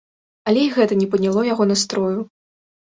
Але і гэта не падняло яго настрою.